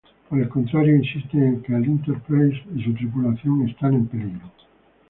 Por el contrario, insisten en que el "Enterprise" y su tripulación están en peligro.